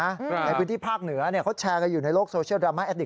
ในพื้นที่ภาคเหนือเขาแชร์กันอยู่ในโลกโซเชียลดราม่าแอดดิก